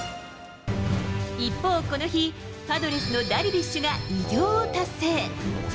一方、この日、パドレスのダルビッシュが偉業を達成。